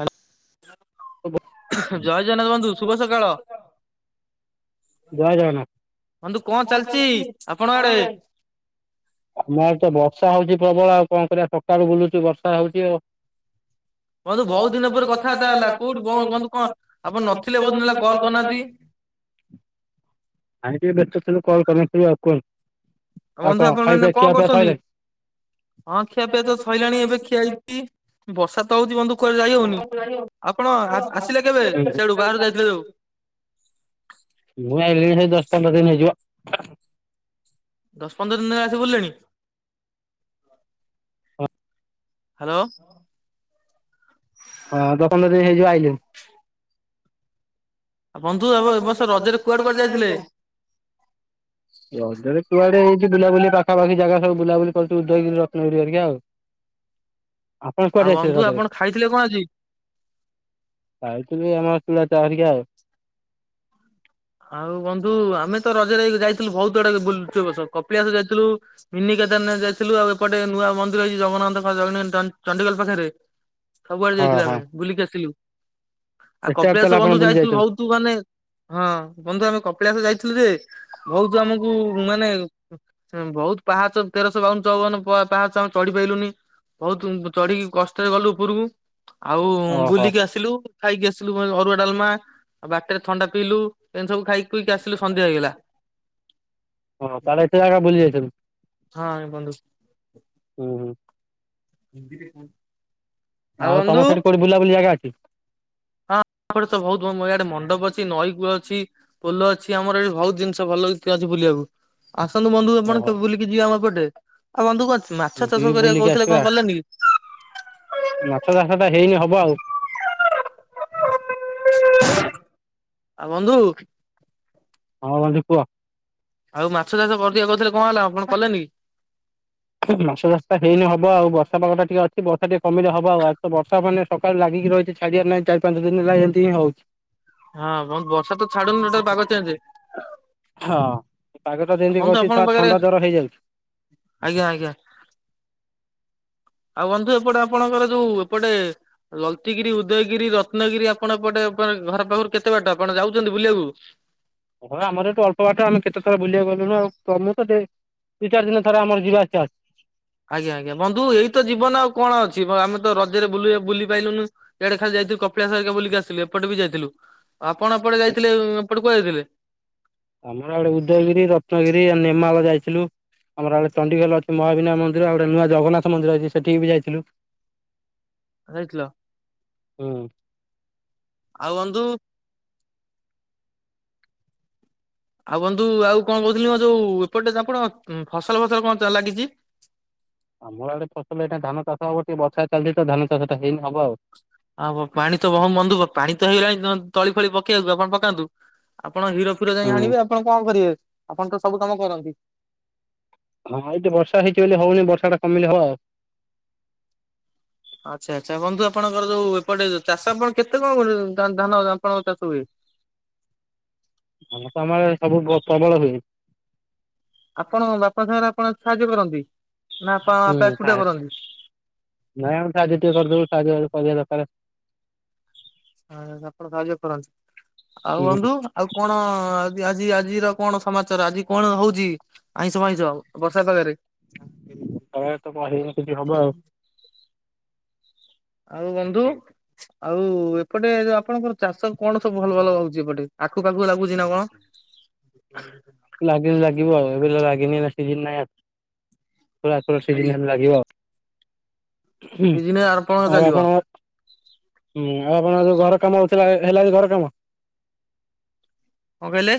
ହାଲ। ଜୟ ଜନ୍ନାଥ ବନ୍ଧୁ। ଶୁଭ ସକାଳ। ଜୟ ଜଗନ୍ନାଥ। ବନ୍ଧୁ କଣ ଚାଲିଚି ଆପଣଙ୍କ ଆଡେ? ଆମ ଆଡ଼େ ତ ବର୍ଷା ହଉଛି ପ୍ରବଳ! ଆଉ କଣ କରିବା? ସକାଳୁ ବୁଲୁଚୁ ବର୍ଷା ହଉଛି ଆଉ। ଆ ବନ୍ଧୁ ତୁ ଦିନ ବହୁତ ପରେ [unintelligible] କଥାବାର୍ତ୍ତା କଥାର୍ତା ହେଲା କୋଉଠି ବନ୍ଧୁ କଣ [unintelligible] ଆପଣ ନଥିଲେ ବହୁତ ରଖିଦେବ ଦିନ ହେଲା କଲ୍ [unintelligible] କଥା। କରିନାହାନ୍ତି। ଆାଇଁ ଟିକେ ବ୍ୟସ୍ତ ଥିଲୁ କଲ୍ କରିନଥିଲୁ, ଆଉ କୁହନ୍ତୁ? ଆଉ ବନ୍ଧୁ କଣ? ଆପଣ ଏଇନା ଖାଇବେ କଣ ଖିଆ ପିଆ କରୁଛନ୍ତି? ହଁ ଖିଆ ପିଆ ତ ସଇଲାଣି ସଇଲାଣି? ଏବେ ଖିଆ ହେଇଛି। ବର୍ଷା ତ ହଉଛି ବନ୍ଧୁ କୁଆରେ ଯାଇ ହଉନି। ଆପଣ ଆସିଲେ କେବେ ସେଆଡୁ ବାହାରୁ ଯାଇଥିଲେ ଯଉ? ମୁଁ ଆଇିଲିଣି, ସେଇ ଦଶ ପନ୍ଦର ଦିନ ହେଇଯିବ। ଦଶ ପନ୍ଦର ଦିନ ହେଲା ଆସି ବୁଲିଲେଣି? ହ୍ୟାଲୋ! ହଁ, ଦ ପନ୍ଦର ଦିନ ହେଇଯିବ ଆଇଲିଣି। ଆଉ ବନ୍ଧୁ ଆ, ଏ ବର୍ଷ ରଜରେ କୁଆଡେ କୁଆଡେ ଯାଇଥିଲେ? ରଜରେ କୁଆଡେ ଏଇଠି ବୁଲାବୁଲି ପାଖପାଖି ଜାଗା ସବୁ ବୁଲାବୁଲି କରିିଚୁ, ଉଦୟ ଗିରି, ରତ୍ନ ଗିରି ହେରିକା ଆଉ। ଆପଣ କୁଆଡେ ଆଉ ଯାଇଥିଲେ ବନ୍ଧୁ ରଜରେ? ଆପଣ ଖାଇଥିଲେ କଣ ଆଜି? ଖାଉଥିଲି ଆମର ଚୁଡା ଚା ହେରିକା ଆଉ। ଆଉ ବନ୍ଧୁ ଆମେ ତ ରଜରେ ଯାଇଥିଲୁ ବହୁତ୍ ଆଡେ ବୁଲ୍ ଚୁ। ଏ ବର୍ଷ କପିଳାସ ଯାଇଥିଲୁ। ମିନିିକେତନ ଯାଇଥିଲୁ, ଆଉ ଏପଟେ ନୂଆ ମନ୍ଦିର ହେଇଛି ଜଗନ୍ନାଥ [unintelligible] ଚଣ୍ଡିଖୋଲ୍ ପାଖେରେ। ସବୁଆଡେ ହଁ ଯାଇଥିଲୁ ଆମେ। ହଁ ବୁଲିକି ଆସିଲୁ। ଆଉ ଏତେ ବାଟ ତାହେଲେ କପିଳାଶ ଆପଣ ବନ୍ଧୁ ବୁଲି ଯାଇଥିଲୁ ଯାଇଛନ୍ତି। ବହୁତ୍ ତୁ ମାନେ ହଁ। ବନ୍ଧୁ ଆମେ କପିଳାସ ଯାଇଥିଲୁ ଯେ, ବହୁତ୍ ଆମକୁ ମାନେ ବହୁତ ପାହାଚ୍ ତେରଶହ ବାଉନ ଚଉବନ ପାହାଚ ଆମେ ଚଢି ପାଇଲୁନି। ବହୁତ ଚଢିକି କଷ୍ଟରେ ଗଲୁ ଉପୁରକୁ। ଆଉ ଓହୋ ବୁଲିକି ଆସିଲୁ, ଖାଇକି ଆସିଲୁ ଅରୁଆ ଡାଲମା। ବାଟରେ ଥଣ୍ଡା ପିଇଲୁ। ଏମିତି ସବୁ ଖାଇିକି ଖୁଇକିଆସିଲୁ ସନ୍ଧ୍ୟା ହେଇଗଲା। ହଁ, ତାହେଲେ ଏତେ ଜାଗା ବୁଲି ଯାଇଥିଲୁ। ହଁ ବନ୍ଧୁ ହୁଁ, ହୁଁ। ହିନ୍ଦିରେ କଣ? ଆଉ ତମ ସେଠି କୋଉଠି ବୁଲାୁବୁଲି ଜାଗ ଅଛି? ହଁ, [inaudible] ବହୁତ ଆଡେ ମଣ୍ଡପ ଅଛି ନଈ କୂଅ ଅଛି। ପୋଲ ଅଛି ଆମର ଏଠି ବହୁତ୍ ଜିନିଷ ଭଲ ଅଛି, ତୁ ଆଜି ବୁଲିବାକୁ ଆସନ୍ତୁ ବନ୍ଧୁ ଆପଣ ଓହୋ କେବେ ବୁଲିକି ଯିବେ ଆମ ଏପଟେ? ଆଉ ବନ୍ଧୁ କଣ ଛ ମାଛ ଯିବି ଚାଷ କରିବା ବୁଲିକି କହୁଥିଲେ ଆସିବା କଣ କଲେନି କି? ମାଛ ଚାଷ ଟା ହେଇନି ହବ ଆଉ। ଆଉ ବନ୍ଧୁ! ହଁ ବନ୍ଧୁ, କୁହ? ଆଉ ମାଛ ଚାଷ କରିଦିଆ କହୁଥିଲେ କଣ ହେଲା ଆପଣ କଲେନି କି? ମାଛ ଚାଷତା ହେଇନି ହବ ଆଉ। ବର୍ଷା ପଗଟା ଟିକେ ଅଛି, ବର୍ଷା ଟିକେ କମିଲେ ହବ ଆଉ। ଆଜି ତ ବର୍ଷ ମାନେ ସକାୁଳୁ ଲାଗିକି ରହିଛି ଛାଡିଆର୍ ନାହିଁ। ଚାରି ପାଞ୍ଚ ଦିନ ହେଲା ଏମିତିିଁ ହଉଛି। ହଁ, ବଂ ବର୍ଷା ତ ଛାଡୁନି, ଟୋଟାଲ୍ ପାଗ ଚେଞ୍ଜେ। ହଁ, ପାଗଟା ଯେଁତି ବନ୍ଧୁ କରୁଛି ଆପଣଙ୍କ ସାଆ ପାଖରେ ଥଣ୍ଡା ଜର ହେଇଯାଉଛି। ଆଜ୍ଞା, ଆଜ୍ଞା। ଆଉ ବନ୍ଧୁ ଏପଟେ ଆପଣଙ୍କର ଯୋଉ ଏପଟେ ଜଲତିଗିରି ଉଦୟଗିରି ରତ୍ନଗିରି ଆପଣ ପଟେ ଘର ପାଖରୁ କେତେ ବାଟା ଆପଣ ଯାଉଛନ୍ତି ବୁଲିବାକୁ? ହଁ ଆମର ଏଠ ଅଳ୍ପ ବାଟ ଆମେ କେତେ ଥର ବୁଲିବାକୁ ଗଲୁ ଆଉ ତମୁ ତ ଟେ ଦୁଇ ଚାର ଦିନଥରେ ଆମର ଯିବା ଆସିବା। ଆଜ୍ଞା ଆଜ୍ଞା ବନ୍ଧୁ ଏଇ ତ ଜୀବନ ଆଉ କଣ ଅଛି ଆମେ ତ ରଜରେ ବୁଲି ପାଇଲୁନୁ ଇଆଡେ ଖାଲି ଯାଇଥିଲୁ କପିଳାସ ହେରିକା ବୁଲିକି ଆସିଲୁ ଏପଟ ବି ଯାଇଥିଲୁ ଆପଣ ଏପଟେ ଅଛି। ଯାଇଥିଲେ ଏପଟେ କୁଆଡେ ଯାଇଥିଲେ? ଆମର ଆଡେ ଉଦୟଗିରି ରତ୍ନଗିରି ଆ ନେମାଳ ଯାଇଥିଲୁ। ଆମର ଚଡିଗେଲ ଅଛି ମହାବିନା ମନ୍ଦିର ଆଉ ଗଟେ ନୂଆ ଜଗନ୍ନାଥ ମନ୍ଦିର ବି ଅଛି ସେଠି ବି ଯାଇଥିଲୁ। ଯାଇଥିଲ ହୁଁ [inaudible] ଆଉ ବନ୍ଧୁ ଆଉ ବନ୍ଧୁ ଆଉ କଣ କହୁଥିଲି ମୋ ଯୋଉ ଏପଟେ ଆପଣ ଫସଲ ଫସଲ କଣ ଲାଗିଛି? ଆମର ଆଡେ ଫସଲ ଏଇଟା ଧାନ ଚାଷ ହବ ଟିକେ ବର୍ଷା ଚାଲିଛି ତ ଧାନ ଚାଷଟା ହେଇନି ହବ ଆଉ। ଆଉ ପାଣି ତ ବହୁତ ମନ୍ଦ ପାଣି ତ ହେଇଗଲାଣି ତଳି ଫଳି ପକେଇବାକୁ ଆପଣ ପକାନ୍ତୁ ଆପଣ କୀର ପୁରା ଯାଇ ଆଣିବେ ଆପଣ କଣ କରିବେ ଆପଣ ତ ସବୁ କାମ କରନ୍ତି। ହଁ ଏଇଠ ବର୍ଷା ହେଇଛି ବୋଲି ହଉନି ବର୍ଷା ଟା କମିଲେ ହବ ଆଉ। ଆଚ୍ଛା ଆଛା ବନ୍ଧୁ ଆପଣଙ୍କର ଯୋଉ ଏପଟେ ଚାଷ ଆପଣ କେତେ କଣ ଧାନ ଆପଣଙ୍କ ଚାଷ ହୁଏ? ହଁ ତ ଆମ ସବୁ ପ୍ରବଳ ହୁଏ। ଆପଣଙ୍କ ବାପା ସାଙ୍ଗରେ ଆପଣ ସାହାଯ୍ୟ କରନ୍ତି। ନା ଆପଣଙ୍କ ହୁଁ ବାପା ନ ଏକୁଟିଆ ସାହାଯ୍ୟ କରନ୍ତି? କରିଦେବୁ ସା କରିବା ଦରକାର। ଆ ଆପଣ ସାହାଯ୍ୟ କରନ୍ତିୁ ଆଉ ହୁଁ ବନ୍ଧୁ। ଆଉ କଣ ଆଜି ଆଜିର କଣ ସମାଚାର ଆଜି କଣ ହଉଛି? ଆଇଁଷ ଭଇଁଛ ଆଉ ବର୍ଷା ପାଗରେ। ତହ ତ କ ହେଇିକ ହବ ଆଉ। ଆଉ ବନ୍ଧୁ। ଆଉ ଏପଟେ ଯୋଉ ଆପଣଙ୍କର ଚାଷ କଣ ସବୁ ଭଲ ଭଲ ହଉୁଛି ଏପଟେ ଆଖୁ ପାଖୁ ଲାଗୁଛି ନା କଣ? [inaudible] ଲାଗିନି ଲାଗିବ ଆଉ ଏବେ ଲାଗିନି ସି ନାଇଁ ପ ସିଜ ଲାଗିବ ଆଉ। ହୁଁ ସିଜିନ ଆପଣଙ୍କ ଆଉ ଚାଲିବ। ଆପଣ। ହୁଁ ଆଉ ଆପଣ ଯୋଉ ଘର କାମ ହଉଥିଲା ସରିଲାଣି ଘର କାମ? [inaudible] କଣ କହିଲେ?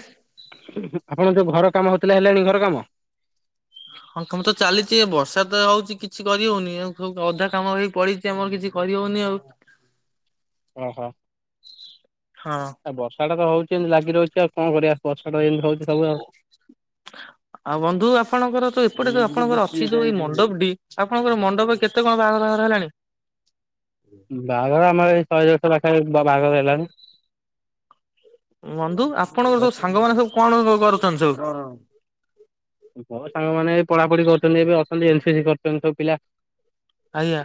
ଆପଣ ଯୋଉ ଘର କାମ ହଉଥିଲେ ହେଲେଣି ଘର କାମ? ହଁ କାମ ତ ଚାଲିଛି ବର୍ଷା ତ ହଉଛି କିଛି କରିହଉନି ଅଧା କାମ ହେଇ ପଡି ଆମର କିଛି କରିହବନି ଆଉ। ଓହୋ। ହଁ। ଆ ବର୍ଷାଟା ହଉଛି ଏମିତି ଲାଗି ରହୁଛି ଆଉ କଣ କରିବା ବର୍ଷା ଏମତି ହଉଛି ସବୁ ଆଉ। [inaudible] ଆଉ ବନ୍ଧୁ ଆପଣଙ୍କର ତ ଏପଟେ ଯୋଉ ଆପଣଙ୍କର ଅଛି ଯୋଉ ଏଇ ମଣ୍ଡପଟି ଆପଣଙ୍କର ମଣ୍ଡପ କେତେ ଏତେ କଣ ବାହାଘର ହେଲାଣି? ବାହାଘର ଆମର ଏଇ ଶହେ ଦେଢଶହ ପାଖା ବାହାଘର ହେଲାଣି। ବନ୍ଧୁ ଆପଣଙ୍କର ସବୁ ସାଙ୍ଗମାନୋନ ସବୁ କଣ କରୁଛନ୍ତି ସବୁ? ସାଙ୍ଗମାନେ ପଢାପଢି କରୁଛନ୍ତି ଏବେ ଅଛନ୍ତି ଏନସିସି କରୁଛନ୍ତି ସବୁ ପିଲା। ଆଜ୍ଞା।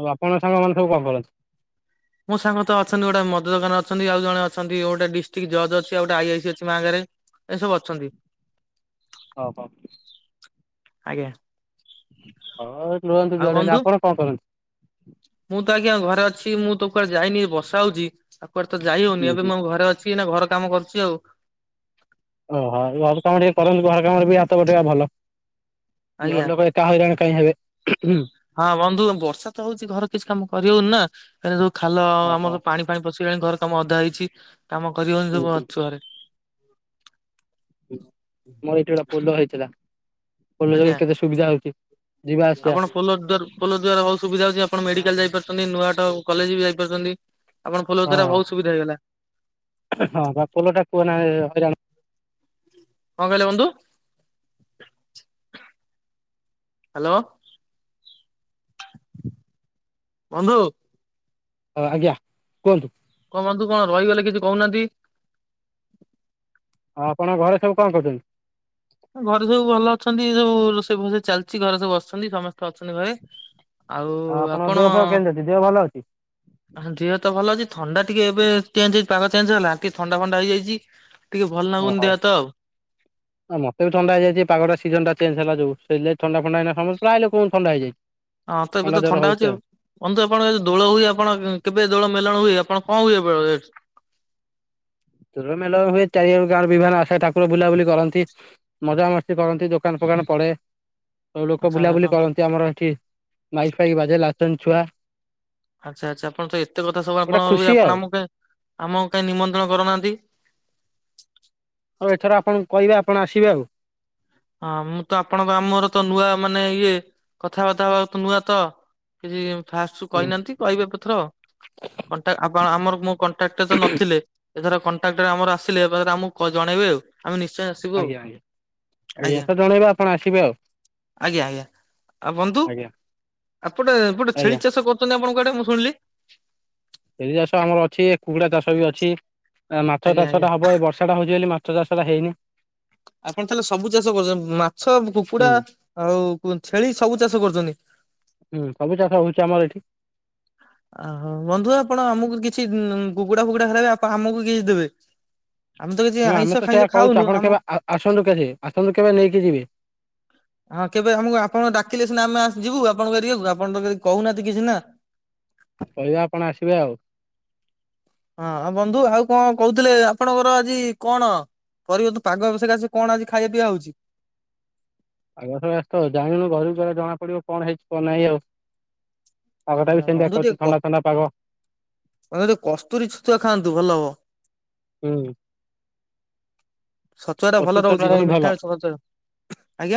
ଆଉ ଆପଣଙ୍କ ସାଙ୍ଗମାନେ ସବୁ କଣ କରନ୍ତି? ମୋ ସାଙ୍ଗ ତ ଅଛନ୍ତି ଗୋଟେ ମଦ ଦୋକାନ ଅଛନ୍ତି ଆଉ ଜଣେ ଅଛନ୍ତି ଗୋଟେ ଡିଷ୍ଟ୍ରିକ୍ଟ ଜଜ୍ ଅଛି ଆଉ ଗୋଟେ ଆଇଆଇ ସ ଅଛି ମାରେ। ଏସବୁ ଅଛନ୍ତି। ହଉ ହ। ଆଜ୍ଞା। ହଁ ରୁହନ୍ତୁ ଆଉ ଜୁଆଡେ ହେଲେ ବନ୍ଧୁ ଆପଣ କଣ କରନ୍ତି? ମୁଁ ତ ଆଜ୍ଞା ଘରେ ଅଛି ମୁଁ ତ କୁଆଡେ ଯାଇନି ବର୍ଷା ହଉଛି ଆଉ କୁଆଡେ ତ ଯାଇ ହଉନି ହୁଁ ଏବେ ହୁଁ ମୋ ଘରେ ଅ ଛି ଏଇନା ଘର କାମ କରୁଛି ଆଉ। ଓହୋ ଘର କାମ ଟିକେ କରନ୍ତୁ ଘର କାମରେ ବି ହାତ ଉଠେଇବା ଭଲ ଘର ଆଜ୍ଞା। ଲୋକ କାହା ହେଇରାଣ କାହିଁ ହେବେ ହୁଁ ହୁଁ ହଁ ବନ୍ଧୁ ବର୍ଷା ତ ହଉଛି ଘରେ କିଛି କାମ କରିହଉନି ନା ଏ ଯୋଉ ଖାଲ ଓହୋ ଆମର ପାଣି ପାଣି ପଶେଇଗଲାଣି ଘର କାମ ଅଧା ହେଇଛି କାମ କରିବନି ସବୁ ଅଛୁ ଘରେ। ମୋର ଏଇଠି ଗୋଟେ ପୋଲ ହେଇଥିଲା। ପୋଲ ଆଜ୍ଞା। ଜରେ କେତେ ସୁବିଧା ହଉଛି ଯିବା ଆସିବା। ପୋଲୋ ଦ୍ୱାର ପୋଲୋ ଦ୍ୱାର ବୋହୁତ ସୁବିଧା ଅଛି ଆପଣ ମେଡିକାଲ ଯାଇପାରୁଛନ୍ତି ନୂଆଟ କଲେଜ ବି ଯାଇପାରୁଛନ୍ତି। ଆପଣ ପୋଲ ଦ୍ଵାରା ହଁ ବହୁତ ସୁବିଧା ହେଇଗଲା। ହଁ ବା ପୋଲଟା କୁହ ନା ହଇରାଣ କଣ କହିଲେ ବନ୍ଧୁ? ହ୍ୟାଲୋ ବନ୍ଧୁ। ହଁ ଆଜ୍ଞା କୁହନ୍ତୁ। କଣ ବନ୍ଦୁ କଣ ରହିଗଲେ କିଛି କହୁନାହାନ୍ତି? ଆଉ ଆପଣଙ୍କ ଘରେ ସବୁ କଣ କରୁଛନ୍ତି? ଘରେ ସବୁ ଭଲ ଅଛନ୍ତି ସବୁ ରୋଷେଇଫଷେଇ ଚାଲିଛି ଘରେ ସବୁ ବଛନ୍ତି ସମସ୍ତେ ଅଛନ୍ତି ଘରେ। ଆଉ ଆପଣଙ୍କ ଆପଣ ଦେହ ଫେହ କେମିତି ଅଛି ଦେହ ଭଲ ଅଛି? ଦେହ ତ ଭଲ ଅଛି ଥଣ୍ଡା ଟିକେ ଏବେ ଚେଞ୍ଜ ହେଇ ପାାଗ ଚେଞ୍ଜ ହେଲା ଟିକେ ଥଣ୍ଡା ଫଣ୍ଡା ହେଇଯାଇଛି। ଟିକେ ଭଲ ଲାଗୁନି ଓହୋ ଦେହ ହାତ ଆଉ। ଆ ମତେ ବି ଥଣ୍ଡା ହେଯାଇଛି ପାଗଟା ସିଜନ୍ ଟା ଚେଞ୍ଜ ହେଲା ଯଉ ସେ ଲାଗି ଥଣ୍ଡା ଫଣ୍ଡା ଏଇଣା ସମ ପ୍ରାୟ ଲୋକ ଥଣ୍ଡା ହେଇଯାଇଛି ହଁ ତ ଏବେ ତ ଥଣ୍ଡା ଜର ଥଣ୍ଡା ହଉଛି ହଉଛ ଆଉ। ବନ୍ଧୁ ଆପଣଙ୍କ ଦୋଳ ହୁଏ ଆପଣ କେବେ ଦୋଳ ମେଲଣ ହୁଏ ଆପଣ କଣ ହୁଏ ଏପଟେ [unintelligible] ଦୋଳ ମେଳଣ ହୁଏ ଚାରି ଆଡୁ ଗାଁର ବିଭିହାନ ଆସେ ଠାକୁର ବୁଲାବୁଲି କରନ୍ତି। ମଜାମସ୍ତି କରନ୍ତି ଦୋକାନ ଫୋକାନ ପଡ଼େ। ସବୁ ଲୋକ ଆଚ୍ଛା ବୁଲାବୁଲି କରନ୍ତି ଆମର ଏଠି ମାଇକି ଫାଇକି ବାଜେ ଲାଚନ୍ତି ଛୁଆ। ଆଚ୍ଛା ଆଚ୍ଛା ଆପଣ ତ ଏତେ କଥା ସବୁ ଗୋଟେ ଆପଣ ହୁଏ ଖୁସି ଆଉ ଆପଣ ଆମ କୁ କାହିଁ ଆମ କୁ କାହିଁ ନିମନ୍ତଣ କରୁନାହାନ୍ତି। ଆଉ ଏଠର ଆପଣଙ୍କୁ କହିବେ ଆପଣ ଆସିବେ ଆଉ। ହଁ ମୁଁ ତ ଆପଣଙ୍କ ଆମର ତ ନୂଆ ମାନେ ଇଏ କଥାବାର୍ତ୍ତା ହବା ନୂଆ ତ। କିଛି ଫାଷ୍ଟ ରୁ ହୁଁ କହିନାହାନ୍ତି କହିବା ପଥର। କଣ୍ଟା ଆ ଆମରୋ ମୋ କଣ୍ଟାକ୍ଟ ତ ନଥିଲେ ଏଥର କଣ୍ଟାଟର ଆମର ଆସିଲେ ଆମକୁ ଜଣେଇବେ ଆଉ ଆମେ ନିଶ୍ଚୟେ ଆସିବୁ। ଆଉ ଆଜ୍ଞା ଆଜ୍ଞା ଆଜ୍ା ଆଜ୍ଞା। [unintelligible] ତ ଜଣେଇବା ଆପଣ ଆସିବେ ଆଉ। ଆଜ୍ଞା ଆଜ୍ଞା ଆଉ ବନ୍ଧୁ ଆଜ୍ଞା ଆଉପଟେ ପଟେ ଆଜ୍ଞା ଛେଳି ଚାଷ କରୁଛନ୍ତି ଆପଣ କୁଆଡେ ମୁଁ ଶୁଣିଲି। ଛେଳି ଚାଷ ଆମର ଅଛି, କୁକୁଡା ଚାଷ ବି ଅଛି, ମାଛ ଆଜ୍ଞା ଚାଷ ଆଜ୍ଞା। ଟା ହବ ଏ ବର୍ଷ ସେଟା ହଉଛି ବୋଲି ମାଛ ଚାଷା ଟା ହେଇନି। ଆପଣ ତାହେଲେ ସବୁ ଚାଷ କରୁଛନ୍ତି ମାଛ, ହୁଁ କୁକୁଡା ଆଉ ଛେଳି ସବୁ ଚାଷ କରୁଛନ୍ତି। ହୁଁ ସବୁ ଚାଷ ହଉଛି ଆମର ଏଠି। ଓହୋ ବନ୍ଧୁ ଆପଣ ଆମକୁ କିଛି କୁକୁଡା ଫୁକୁଡା ଖାଇବେ ଆପ ଆମକୁ କିଛି ଦେବେ। ଆମେ ତ କିଛି ନା ଆମେ ଆଇଁଷ ତ ସେଇଆ ଖାଇଁଷ କହୁଛୁ ଖାଉନୁ ଆପଣ ଆମ କେବେ ଆ ଆସନ୍ତୁ କେଜି ଆସନ୍ତୁ କେବେ ନେଇକି ଯିବେ। ହଁ କେବେ ଆମକୁ ଆପଣ ଡାକିଲେ ସିନା ଆମେ ଆ ଯିବୁ ଆପଣଙ୍କ ଏରିଆକୁ ଆପଣନତ କହୁନାହାନ୍ତି କିଛି ନା। କହିବା ଆପଣ ଆସିବେ ଆଉ ହଁ ବନ୍ଧୁ ଆଉ କଣ କହୁଥିଲେ ଆପଣଙ୍କର ଆଜି କଣ କରିବ ତୁ ପାଗ ବିଷୟରେ ଆସି କଣ ଆଜି ଖାଇବା ପିଇବା ହଉଛି? ଆଗସ ତ ଜାଣୁ ଘରକୁ ଘ ଜଣା ପଡିବ କଣ ହେଇଛି କଣ ନାାଇଁ ଆଉ ପାଗଟା ବି ଆ୍ ସେମିତିଆ ବନ୍ଧୁ କରିଛି ଟିକେ କ ଥଣ୍ଡା ଥଣ୍ଡା ପାଗ ବନ୍ଧୁ ଟିକେ କସ୍ତୁରୀ ଛୁତୁଆ ଖାଆନ୍ତୁ ଭଲ ହବ। ହୁଁ ଛତୁଆଟା କଚି ଭଲ ରହୁଛି ଭଲ ମିଠା ଅଛି ସତ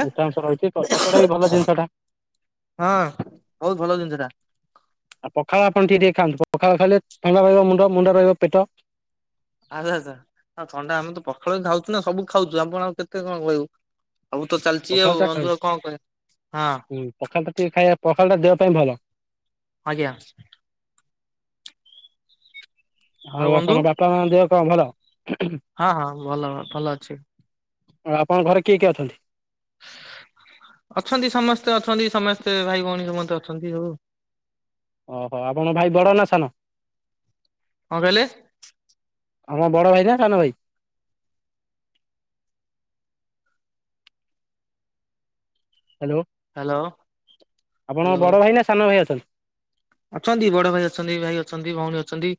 ମୋଟା ଅଂଶ ରହିଛି ତ ଛତୁଟା ବି ଭଲ ଜିନିଷଟା ହଁ ବହୁତ ଭଲ ଜିନିଷ ଟା। ଆଉ ପଖାଳ ଆପଣ ଟିକେ ଟିକେ ଖାଆନ୍ତୁ ପଖାଳ ଖାଇଲେ ଥଣ୍ଡା ରହିବ ମୁଣ୍ଡ ମୁଣ୍ଡ ରହିବ ପେଟ। ଆଚ୍ଛା ଆଚ୍ଛା ଆ ଥଣ୍ଡା ଆମେ ତ ପଖାଳ ବି ଖାଉଛୁ ନା ସବୁ ଖାଉଛୁ ଆପଣ ଆଉ କେତେ କଣ କହିବୁ? ଆଉ ତ ଚାଲିଛି ଆଉ ପଖାଳଟା ଖାଆନ୍ତୁ ଅଧୁରା କଣ କହ ହଁ ହୁଁ ପଖାଳଟା ଟିକେ ଖାଇବା ପଖାଳଟା ଦେହ ପାଇଁ ଭଲ। ଆଜ୍ଞା ଆଉ ଆପଣ ବାପା ମା ଦେହ କଣ ଭଲ ହଁ ହଁ ଭଲ ଭଲ ଅଛି। ଆଉ ଆପଣଙ୍କ ଘରେ କିଏ କିଏ ଅଛନ୍ତି? ଅଛନ୍ତି ସମସ୍ତେ ଅଛନ୍ତି ସମସ୍ତେ ଭାଇ ଭଉଣୀ ସମସ୍ତେ ଅଛନ୍ତି ହଉ ଓହୋ ଆପଣଙ୍କ ଭାଇ ବଡ ନା ସାନ କଣ କହିଲେ? ଆମ ବଡ ଭାଇ ନା ସାନ ଭାଇ? ହ୍ୟାଲୋ ହ୍ୟାଲୋ ଆପଣ ହ୍ୟାଲୋ। ବଡ଼ ଭାଇ ନା ସାନ ଭାଇ ଅଛନ୍ତି? ଅଛନ୍ତି ବଡ ଭାଇ ଅଛନ୍ତି ଭାଇ ଅଛନ୍ତି ଭଉଣୀ ଅଛନ୍ତି।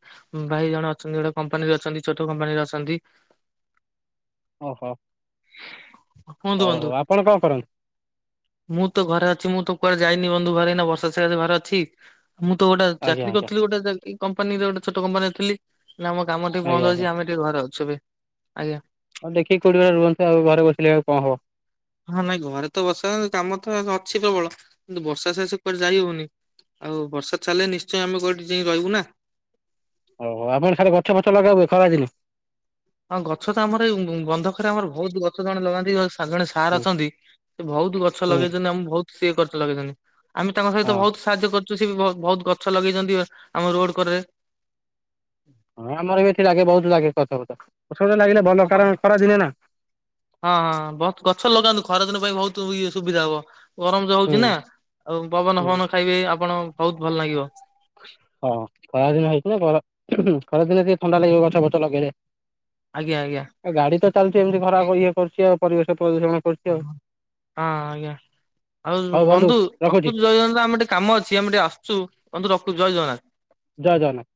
ଭାଇ ଜଣେ ଅଛନ୍ତି ଗୋଟେ କମ୍ପାନୀରେ ଅଛନ୍ତି ଛୋଟ କମ୍ପାନୀରେ ଅଛନ୍ତି। ଓହୋ କୁହନ୍ତୁ ହଉ ବନ୍ଧୁ ହଉ ଆପଣ କଣ କରନ୍ତି? ମୁଁ ତ ଘରେ ଅଛି ମୁଁ ତ କୁଆଡେ ଯାଇନି ବନ୍ଧୁ ଘରେ ଏଇନେ ବର୍ଷସାରା ଘରେ ଅଛି। ମୁଁ ତ ଗୋଟେ ଆଜ୍ଞା ଚାକିରି ଆଜ୍ଞା କରିଥିଲି ଗୋଟେ କମ୍ପାନୀରେ ଗୋଟେ ଛୋଟ କମ୍ପାନୀରେ ଥିଲି ଏଇନା ଆମ କାମ ଟିକେ ଆଜ୍ଞା ବନ୍ଦ ଆଜ୍ଞା ଅଛି ଆମେ କିଏ ଘରେ ଅଛୁ ବେ ଆଜ୍ଞା ଆଉ ଦେଖିକି କୋଉଠି ଗୋଟେ ରୁହୁନ୍ତୁ ଆଉ ଘରେ ବସିଲେ କଣ ହବ? ହଁ ନାଇଁ ଘରେ ତ ବସା ହଉନି କାମ ତ ଅଛି ପ୍ରବଳ କିନ୍ତୁ ବର୍ଷା ସକାସେ କୁଆଡେ ଯାଇ ହଉନି। ଆଉ ବର୍ଷା ଛାଡିଲେ ନିଶ୍ଚୟ ଆମେ କୋଉଠି ଯାଇ ରହିବୁ ନା। ଓହୋ ଆପଣ ସାର ଗଛ ଫଛ ଲଗା ହୁଏ ଖରାଦିନେ? ହଁ ଗଛ ତ ଆମର ଏ ବନ୍ଧକରେ ଆମର ବହୁତ ଗଛ ଜଣେ ଲଗାନ୍ତି ହାଁ ଜଣେ ସାର୍ ହୁଁ ଅଛନ୍ତି ସେ ବହୁତ ଗଛ ହୁଁ ଲଗେଇଛନ୍ତି ଆମ ବହୁତ ସିଏ କରିଛ ଲଗେଇଛନ୍ତି। ଆମେ ତାଙ୍କ ସହିତ ହଁ ବହୁତ ସାହାଯ୍ୟ କରୁଛୁ ସେବି ବହୁ ବହୁତ ଗଛ ଲଗେଇଛନ୍ତି ଆମ ରୋଡ କଡରେ ହଁ ଆମର ବି ଏଠି ଲାଗେ ବହୁତ ଲାଗେ କଥାବ ସେଗୁଡାକ ଲାଗିଲେ ଭଲ କାରଣ ଖରାଦିନେ ନା ହଁ ହଁ ବହୁତ୍ ଗଛ ଲଗାନ୍ତୁ ଖରାଦିନ ପାଇଁ ବହୁତ ଇଏ ସୁବିଧା ହବ। ଗରମ ଯୋଉ ହୁଁ ହଉଛି ନା ଆଉ ପବନ ହୁଁ ଫବନ ଖାଇବେ ଆପଣ ବହୁତ ଭଲ ଲାଗିବ। ହଁ ଖରା ଦିନ ହେଇଛି ନା ଖରା ଖରା ଦିନେ ଟିକେ ଥଣ୍ଡା ଲାଗିବ ଗଛ ଫଛ ଲଗେଇଲେ। ଆଜ୍ଞା ଆଜ୍ଞା ଆ ଗାଡି ତ ଚାଲିଛି ଏମିତି ଖରାପ ଇଏ କରୁଛି ଆଉ ପରିବେଶ ପ୍ରଦୂଷଣ କରୁଛି ଆଉ ହଁ ଆଜ୍ଞା ଆଉ ହଉ ବନ୍ଧୁ ରଖୁଛି ରଖୁଚି ଜୟ ଜଗନ୍ନାଥ ଆମେ ଟିକେ କାମ ଅଛି ଆମେ ଟିକେ ଆସୁଚୁ ବନ୍ଧୁ ରଖୁଚି ଜୟ ଜଗନ୍ନାଥ। ଜୟ ଜଗନ୍ନାଥ